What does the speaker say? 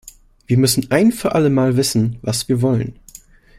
Wir müssen ein für alle Mal wissen, was wir wollen.